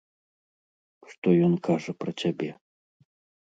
Што ён кажа пра цябе.